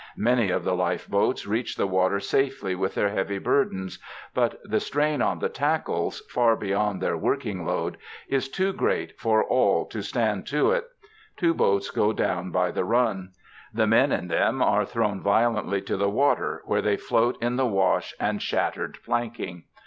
Many of the life boats reach the water safely with their heavy burdens, but the strain on the tackles far beyond their working load is too great for all to stand to it. Two boats go down by the run. The men in them are thrown violently to the water, where they float in the wash and shattered planking.